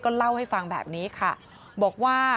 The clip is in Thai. ก็เล่าให้ฟังแบบนี้ว่า